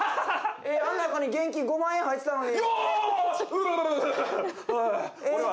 あの中に現金５万円入ってたのに。